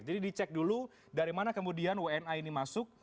jadi dicek dulu dari mana kemudian wni ini masuk